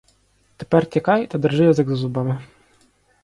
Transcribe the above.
Тепер тікай та держи язик за зубами.